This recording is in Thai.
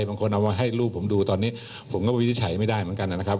บางคนเอามาให้ลูกผมดูตอนนี้ผมก็วินิจฉัยไม่ได้เหมือนกันนะครับ